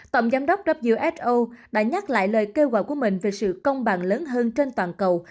tổng giám đốc who đã nhắc lại lời kêu gọi của mình về sự công bằng lớn hơn trên toàn cầu